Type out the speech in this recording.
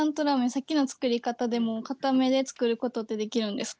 さっきの作り方でもかためで作ることってできるんですか。